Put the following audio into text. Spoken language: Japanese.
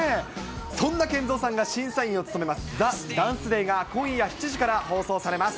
そんなＫＥＮＺＯさんが審査員を務めます、ＴＨＥＤＡＮＣＥＤＡＹが今夜７時から放送されます。